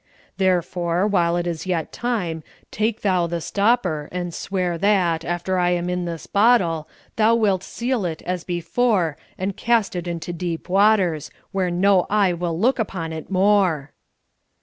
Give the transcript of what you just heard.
Therefore, while it is yet time, take thou the stopper, and swear that, after I am in this bottle, thou wilt seal it as before and cast it into deep waters, where no eye will look upon it more!"